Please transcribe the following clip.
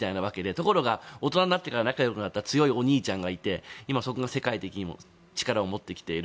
ところが、大人になってから仲よくなった強いお兄ちゃんがいて今、世界的にも力を持ってきている。